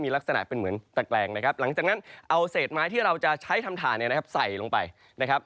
เราจากนั้นเอาเศษไม้ที่เราจะใช้ธรรมฐานส่วนไป